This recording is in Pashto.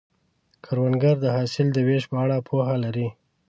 کروندګر د حاصل د ویش په اړه پوهه لري